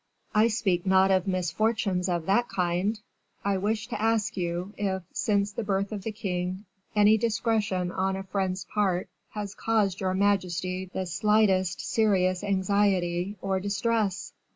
"I speak not of misfortunes of that kind. I wish to ask you, if, since the birth of the king, any indiscretion on a friend's part has caused your majesty the slightest serious anxiety, or distress?"